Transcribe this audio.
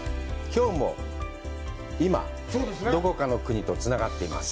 きょうも、今、どこかの国とつながっています。